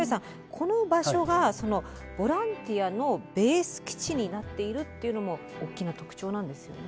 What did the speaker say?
この場所がボランティアのベース基地になっているっていうのも大きな特徴なんですよね？